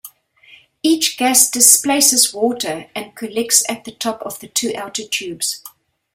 Each gas displaces water and collects at the top of the two outer tubes.